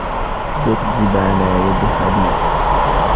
دُرب على يد خبير.